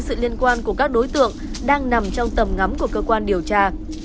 sự liên quan của các đối tượng đang nằm trong tầm ngắm của cơ quan điều tra